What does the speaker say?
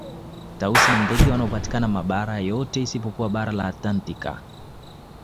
Tausi ni ndege wanaopatikana mabara yote isipokuwa bara la antaktika